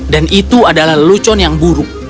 dan itu adalah lucon yang buruk